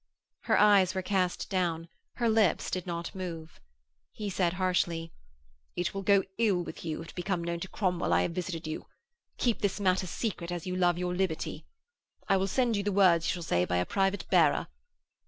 Her eyes were cast down, her lips did not move. He said, harshly, 'It will go ill with you if it become known to Cromwell I have visited you. Keep this matter secret as you love your liberty. I will send you the words you shall say by a private bearer.